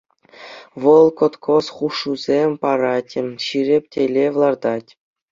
Вӑл кӑткӑс хушусем парать, ҫирӗп тӗллев лартать.